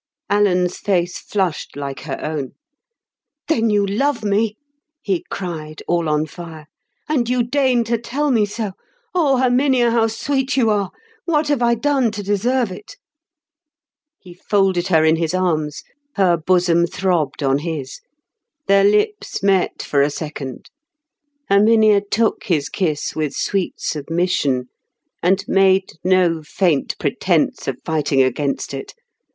Alan's face flushed like her own. "Then you love me," he cried, all on fire. "And you deign to tell me so; O Herminia, how sweet you are. What have I done to deserve it?" He folded her in his arms. Her bosom throbbed on his. Their lips met for a second. Herminia took his kiss with sweet submission, and made no faint pretence of fighting against it.